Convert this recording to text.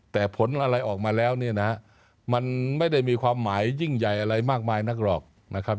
แต่ผลอะไรออกมาแล้วเนี่ยนะฮะมันไม่ได้มีความหมายยิ่งใหญ่อะไรมากมายนักหรอกนะครับ